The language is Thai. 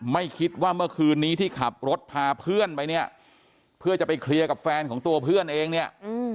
ไม่คิดว่าเมื่อคืนนี้ที่ขับรถพาเพื่อนไปเนี่ยเพื่อจะไปเคลียร์กับแฟนของตัวเพื่อนเองเนี่ย